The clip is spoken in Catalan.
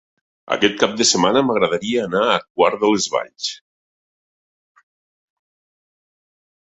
Aquest cap de setmana m'agradaria anar a Quart de les Valls.